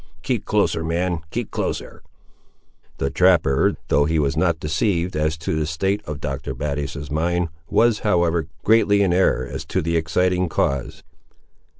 Keep closer, man—keep closer." The trapper, though he was not deceived as to the state of Dr. Battius' mind, was, however, greatly in error as to the exciting cause.